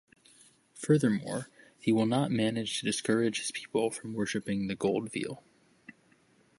Furthermore, he will not manage to discourage his people from worshipping the gold veal.